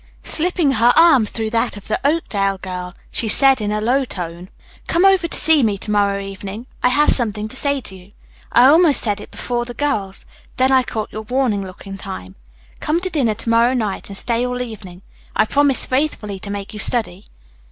Slipping her arm through that of the Oakdale girl, she said in a low tone, "Come over to see me to morrow evening. I have something to say to you. I almost said it before the girls; then I caught your warning look in time. Come to dinner to morrow night and stay all evening. I promise faithfully to make you study."